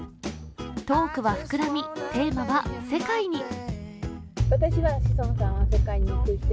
トークは膨らみ、テーマは世界に。